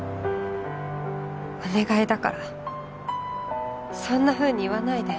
お願いだからそんなふうに言わないで